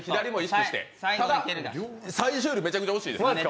最初よりめちゃくちゃ惜しいです。